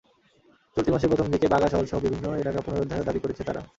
চলতি মাসের প্রথম দিকে বাগা শহরসহ বিভিন্ন এলাকা পুনরুদ্ধারেও দাবি করেছে তারা।